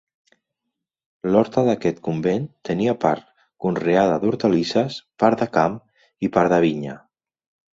L'horta d'aquest convent tenia part conreada d'hortalisses, part de camp i part de vinya.